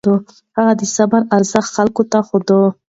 هغه د صبر ارزښت خلکو ته ښووه.